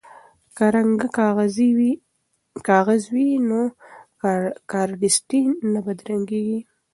که رنګه کاغذ وي نو کارډستي نه بدرنګیږي.